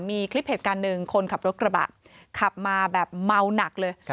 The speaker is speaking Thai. มีคลิปเหตุการณ์หนึ่งคนขับรถกระบะขับมาแบบเมาหนักเลย